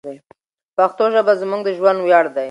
پښتو ژبه زموږ د ژوند ویاړ دی.